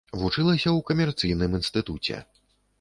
Вучылася ў камерцыйным інстытуце.